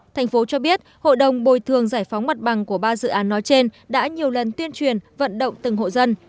thành phố cho biết hội đồng bồi thường giải phóng mặt bằng của ba dự án nói trên đã nhiều lần tuyên truyền vận động từng hộ dân